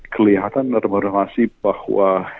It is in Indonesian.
kelihatan atau merenasi bahwa